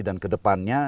dan ke depannya